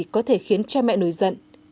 cha mẹ nổi giận